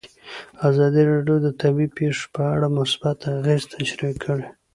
ازادي راډیو د طبیعي پېښې په اړه مثبت اغېزې تشریح کړي.